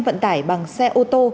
vận tải bằng xe ô tô